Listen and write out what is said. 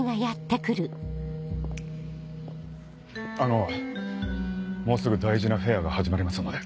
あのもうすぐ大事なフェアが始まりますので。